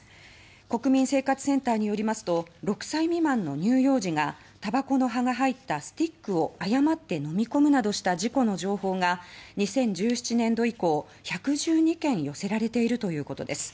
国民生活センターによりますと６歳未満の乳幼児がたばこの葉が入ったスティックを誤って飲み込むなどした事故の情報が２０１７年度以降１１２件寄せられているということです。